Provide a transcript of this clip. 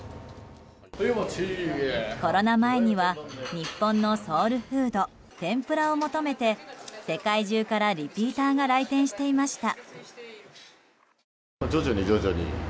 コロナ前には日本のソウルフード天ぷらを求めて世界中からリピーターが来店していました。